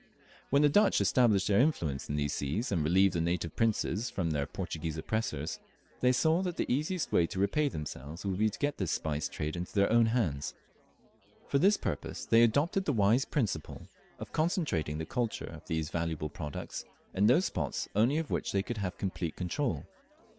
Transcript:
When the Dutch established their influence in these seas, and relieved the native princes from their Portuguese oppressors, they saw that the easiest way to repay themselves would be to get this spice trade into their own hands. For this purpose they adopted the wise principle of concentrating the culture of these valuable products in those spots only of which they could have complete control.